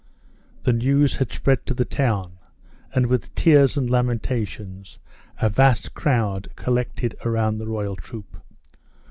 The news had spread to the town, and with tears and lamentations a vast crowd collected round the royal troop.